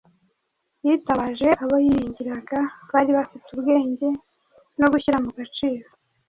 yitabaje abo yiringiraga bari bafite ubwenge no gushyira mu gaciro.